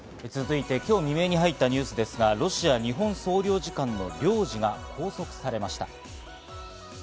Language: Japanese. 続いて今日未明に入ったニュースですが、ロシア日本国総領事館の領事が拘束されました。